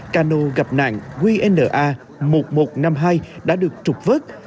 cano gặp nạn qna một nghìn một trăm năm mươi hai đã được trục vớt